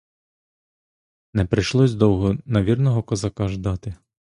Не прийшлось довго на вірного козака ждати.